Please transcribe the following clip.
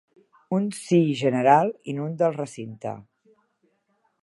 Un sí general inunda el recinte.